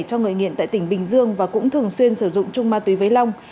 cho người nghiện tại tỉnh bình dương và cũng thường xuyên sử dụng chung ma túy với long